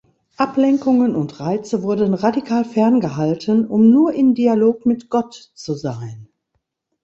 Ablenkungen und Reize wurden radikal ferngehalten, um nur in Dialog mit Gott zu sein.